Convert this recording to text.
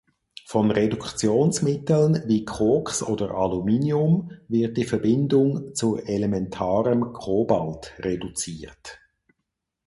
Von Reduktionsmitteln wie Koks oder Aluminium wird die Verbindung zu elementarem Cobalt reduziert.